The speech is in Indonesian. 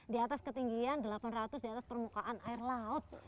diatas ketinggian delapan ratus diatas permukaan air laut